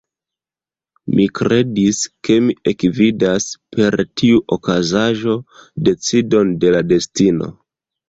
Mi kredis, ke mi ekvidas, per tiu okazaĵo, decidon de la destino.